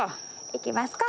行きますか！